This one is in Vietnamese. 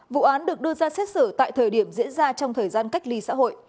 vụ án được đưa ra xét xử tại thời điểm diễn ra trong thời gian cách ly xã hội